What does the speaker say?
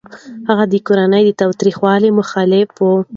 هغه د کورني تاوتريخوالي مخالف و.